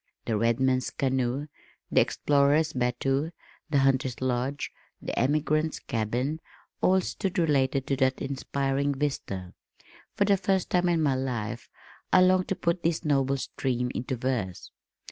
The redman's canoe, the explorer's batteau, the hunter's lodge, the emigrant's cabin, all stood related to that inspiring vista. For the first time in my life I longed to put this noble stream into verse.